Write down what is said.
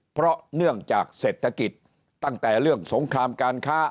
เพราะเนื่องจากเศรษฐกิจตั้งแต่เรื่องสงครามการค้า